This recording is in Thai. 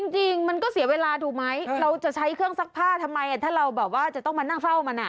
จริงมันก็เสียเวลาถูกไหมเราจะใช้เครื่องซักผ้าทำไมถ้าเราแบบว่าจะต้องมานั่งเฝ้ามัน